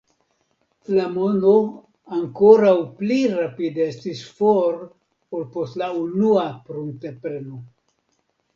La mono ankoraŭ pli rapide estis for ol post la unua pruntepreno.